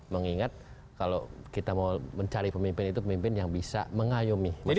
mengingat kalau kita mau mencari pemimpin itu pemimpin yang bisa mengayomi